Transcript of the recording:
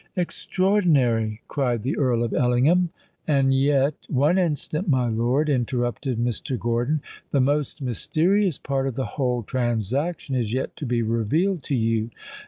"Extraordinary!" cried the Earl of Ellingham. "And yet——" "One instant, my lord," interrupted Mr. Gordon: "the most mysterious part of the whole transaction is yet to be revealed to you.